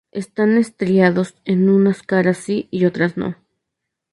Están estriados en unas caras sí y otras no.